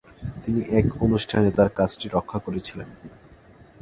তিনি এক অনুষ্ঠানে তার কাজটি রক্ষা করেছিলেন।